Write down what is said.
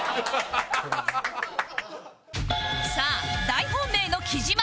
さあ大本命の貴島